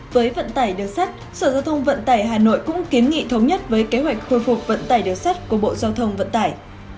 với vận tải được xét sở giao thông vận tải hà nội cũng kiến nghị thống nhất với kế hoạch khôi phục vận tải được xét của bộ giao thông vận tải